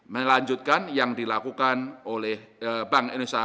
melanjutkan yang dilakukan oleh bank indonesia